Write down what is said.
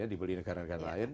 dibeli negara negara lain